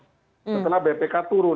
setelah bpk turun